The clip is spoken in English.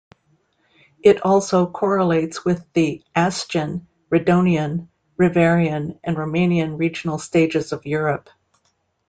It also correlates with the Astian, Redonian, Reuverian and Romanian regional stages of Europe.